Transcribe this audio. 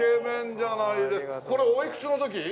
これおいくつの時？